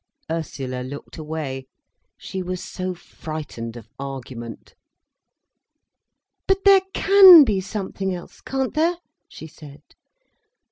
Ursula looked away. She was so frightened of argument. "But there can be something else, can't there?" she said.